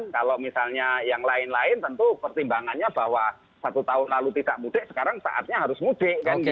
kalau misalnya yang lain lain tentu pertimbangannya bahwa satu tahun lalu tidak mudik sekarang saatnya harus mudik